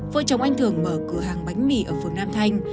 vợ chồng anh thường mở cửa hàng bánh mì ở phường nam thanh